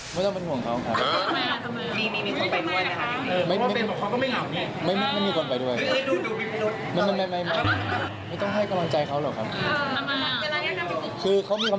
ไม่ต้องเป็นห่วงเขาครับ